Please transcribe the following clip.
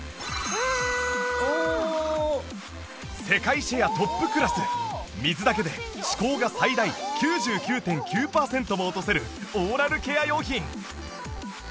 世界シェアトップクラス水だけで歯垢が最大 ９９．９ パーセントも落とせるオーラルケア用品